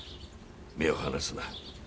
目を離すな。